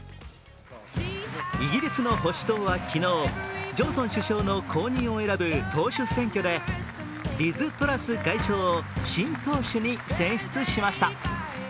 イギリスの保守党は昨日、ジョンソン首相の後任を選ぶ党首選挙で、リズ・トラス外相を新党首に選出しました。